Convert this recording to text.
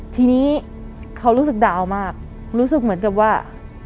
ทีนี้เขารู้สึกดาวมากรู้สึกเหมือนกับว่า